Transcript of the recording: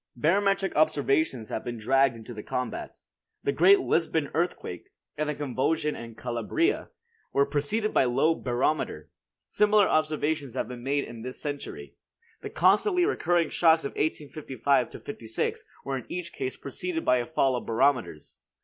Barometric observations have been dragged into the combat. The great Lisbon earthquake, and the convulsion in Calabria, were preceded by low barometer. Similar observations have been made in this century. The constantly recurring shocks of 1855 56 were in each case preceded by fall of barometers.